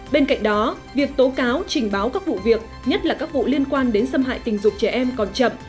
bên cạnh đó việc tố cáo trình báo các vụ việc nhất là các vụ liên quan đến xâm hại tình dục trẻ em còn chậm